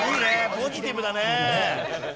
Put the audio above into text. ポジティブだね。